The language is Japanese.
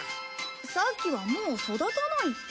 さっきはもう育たないって。